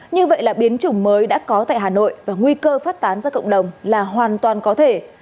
như vậy là biến chủng mới đã có tại hà nội và nguy cơ phát tán ra cộng đồng là hoàn toàn có thể